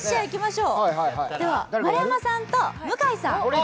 では丸山さんと向井さん。